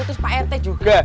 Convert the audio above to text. terus pak rt juga